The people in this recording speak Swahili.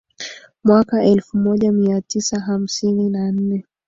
mwaka elfu moja mia tisa hamsini na nne